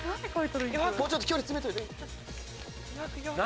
もうちょっと距離詰めといて。